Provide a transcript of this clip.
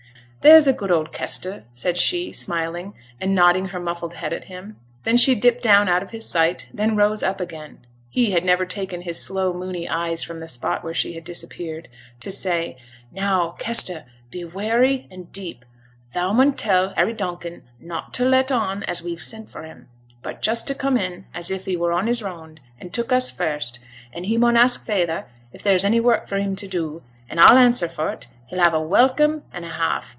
'There's a good old Kester,' said she, smiling, and nodding her muffled head at him; then she dipped down out of his sight, then rose up again (he had never taken his slow, mooney eyes from the spot where she had disappeared) to say 'Now, Kester, be wary and deep thou mun tell Harry Donkin not to let on as we've sent for him, but just to come in as if he were on his round, and took us first; and he mun ask feyther if there is any work for him to do; and I'll answer for 't, he'll have a welcome and a half.